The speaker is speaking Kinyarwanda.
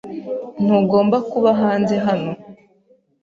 Ntugomba kuba hanze hano.